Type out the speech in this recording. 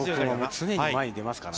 常に前に出ますからね。